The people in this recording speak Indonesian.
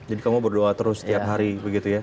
jadi kamu berdoa terus setiap hari begitu ya